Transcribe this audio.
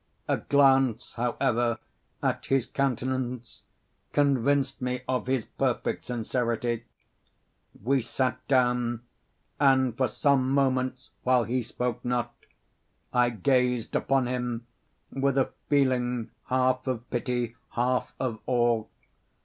A glance, however, at his countenance, convinced me of his perfect sincerity. We sat down; and for some moments, while he spoke not, I gazed upon him with a feeling half of pity, half of awe.